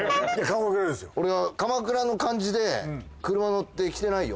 俺は鎌倉の感じで車乗ってきてないよ。